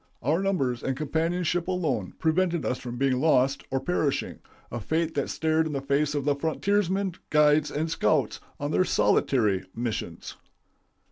Our numbers and companionship alone prevented us from being lost or perishing, a fate that stared in the face the frontiersmen, guides, and scouts on their solitary missions.